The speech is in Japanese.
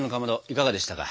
いかがでしたか？